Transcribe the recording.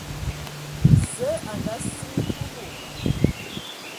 Zǝə a ngaasiŋ Kulu.